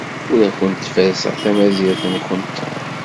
Ur awent-ferrseɣ tamazirt-nwent.